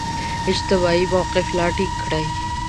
اجتماعي موقف لا ټینګ کړي.